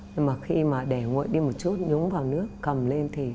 nhưng mà khi mà để nguội đi một chút nhúng vào nước cầm lên thì